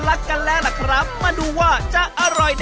จริงลูกเรื่องจริง